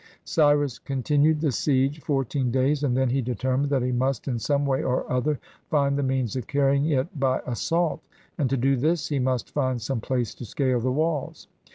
Cyrus continued the siege fourteen days, and then he determined that he must, in some way or other, find the means of carrying it by assault, and to do this he must find some place to scale the walls.